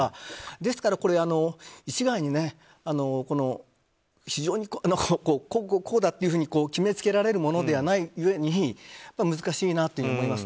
ですから、一概にこうだっていうふうに決めつけられるものではないうえに難しいなと思います。